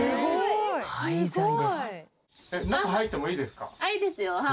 いいですよ。